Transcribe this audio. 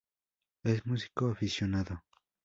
Es músico aficionado.